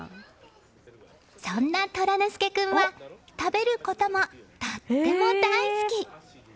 そんな寅ノ輔君は食べることもとっても大好き。